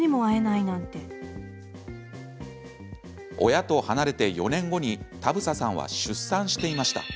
親と離れて４年後に田房さんは出産していました。